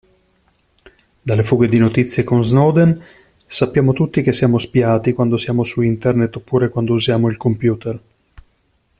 Dalle fughe di notizie con Snowden sappiamo tutti che siamo spiati quando siamo su Internet oppure quando usiamo il computer.